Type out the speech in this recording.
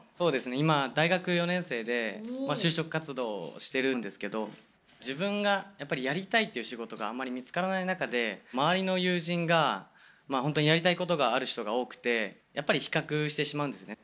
今、大学４年生で就職活動してるんですけど自分がやりたいっていう仕事があんまり見つからない中で周りの友人が、本当にやりたいことがある人が多くてやっぱり比較してしまうんですね。